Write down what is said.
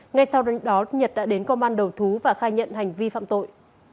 ngay sau đó nhật đã đến công an đầu thú và khai nhận hành vi phạm tội